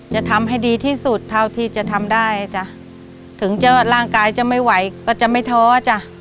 จะทำให้ดีที่สุดเท่าที่จะทำได้จ้ะถึงจะร่างกายจะไม่ไหวก็จะไม่ท้อจ้ะ